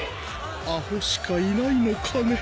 アホしかいないのカネ。